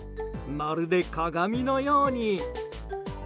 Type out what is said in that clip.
まるで鏡のように。